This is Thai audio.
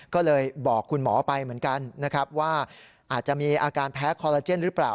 ก็เลยบอกคุณหมอไปเหมือนกันนะครับว่าอาจจะมีอาการแพ้คอลลาเจนหรือเปล่า